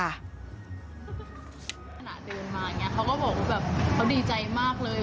ขณะเดินมาเขาก็บอกว่าแบบเขาดีใจมากเลย